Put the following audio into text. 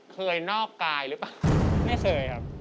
เคยนอกกายหรือเปล่า